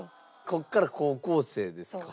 ここから高校生ですか。